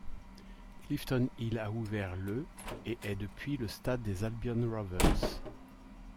Cliftonhill a ouvert le et est depuis le stade des Albion Rovers.